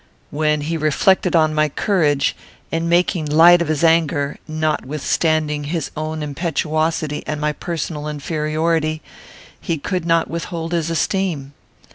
When he reflected on my courage, in making light of his anger, notwithstanding his known impetuosity and my personal inferiority, he could not withhold his esteem.